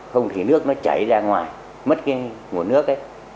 không thì nước nó cháy ra ngoài mất nguồn nước